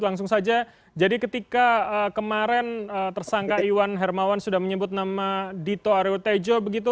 langsung saja jadi ketika kemarin tersangka iwan hermawan sudah menyebut nama dito aryo tejo begitu